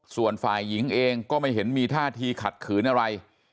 ส่วนฝ่ายหญิงเองก็ไม่เห็นมีท่าทีขัดขืนอะไร